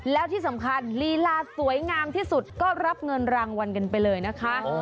แล้วที่สำคัญลีลาสวยงามที่สุดก็รับเงินรางวัลกันไปเลยนะคะ